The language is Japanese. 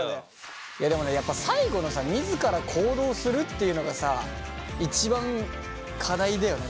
でもねやっぱ最後のさ自ら行動するっていうのがさ一番課題だよね何か。